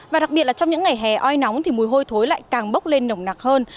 và đặc biệt là trong những ngày hè oi nóng thì mùi hôi thối lại càng bốc lên nồng nặc hơn